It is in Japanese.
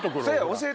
教えて！